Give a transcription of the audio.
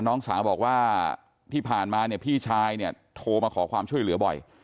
น้องสาวบอกว่าที่ผ่านมาเนี่ยพี่ชายเนี่ยโทรมาขอความช่วยเหลือบ่อย